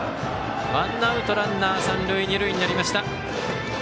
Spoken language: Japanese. ワンアウト、ランナー三塁二塁になりました。